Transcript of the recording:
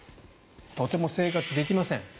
とても生活できません。